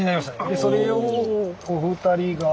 でそれをお二人が。